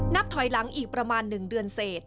นับถอยหลังอีกประมาณ๑เดือนเสร็จ